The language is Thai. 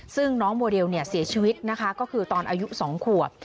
ซึ่งน้องโมเดลเสียชีวิตนะคะก็คือตอนอายุ๒ขวบ